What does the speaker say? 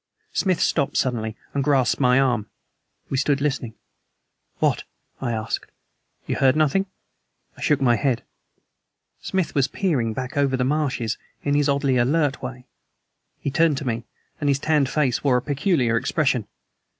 Smith stopped suddenly and grasped my arm. We stood listening. "What?" I asked. "You heard nothing?" I shook my head. Smith was peering back over the marshes in his oddly alert way. He turned to me, and his tanned face wore a peculiar expression.